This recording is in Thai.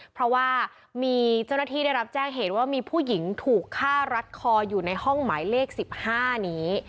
เพราะว่ามีเจ้าหน้าที่ได้รับแจ้งเหตุว่ามีผู้หญิงถูกฆ่ารัดคออยู่ในห้องหมายเลข๑๕นี้